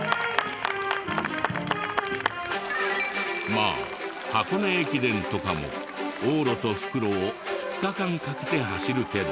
まあ箱根駅伝とかも往路と復路を２日間かけて走るけど。